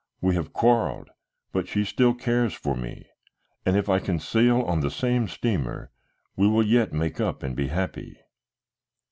We have quarrelled, but she still cares for me, and if I can sail on the same steamer, we will yet make up and be happy."